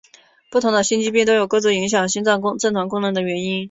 不同的心肌病都有各自影响心脏正常功能的原因。